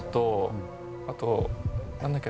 あと何だっけ？